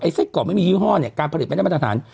ไส้กรอกไม่มียี่ห้อเนี่ยการผลิตไม่ได้มาตรฐาน